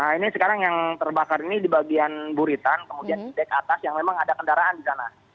nah ini sekarang yang terbakar ini di bagian buritan kemudian di dek atas yang memang ada kendaraan di sana